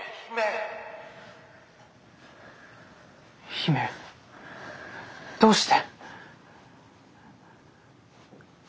姫どうして。